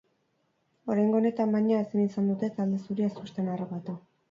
Oraingo honetan, baina, ezin izan dute talde zuria ezustean harrapatu.